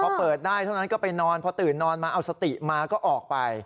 พอเปิดได้เท่านั้นก็ไปนอนพอตื่นนอนมาเอาสติมาก็ออกไป